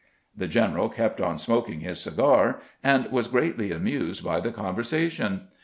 The general kept on smoking his cigar, and was greatly amused by the conversation.